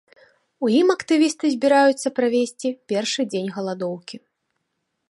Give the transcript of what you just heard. У ім актывісты збіраюцца правесці першы дзень галадоўкі.